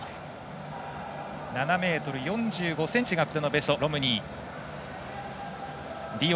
７ｍ４５ｃｍがここまでのベスト、ロムリー。